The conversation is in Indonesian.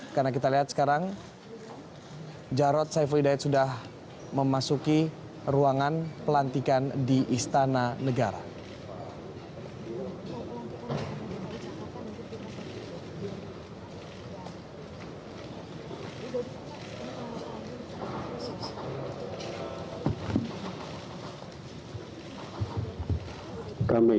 karena kita lihat sekarang jarod saiful hidayat sudah memasuki ruangan pelantikan di istana negara